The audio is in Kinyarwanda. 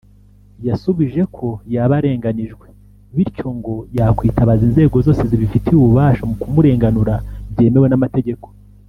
yasubije ko yaba arenganijwe bityo ko ngo yakwitabaza inzego zose zibifitiye ububasha mu kumurenganura byemewe n’amategeko